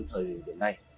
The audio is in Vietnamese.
đến thời điểm này